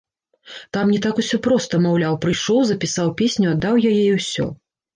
Там не так усё проста, маўляў, прыйшоў, запісаў песню, аддаў яе і ўсё.